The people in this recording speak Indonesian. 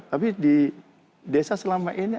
tapi di desa selama ini